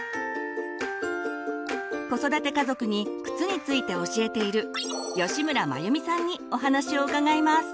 子育て家族に靴について教えている吉村眞由美さんにお話を伺います。